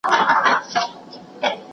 هغه څوک چي سیر کوي روغ وي!؟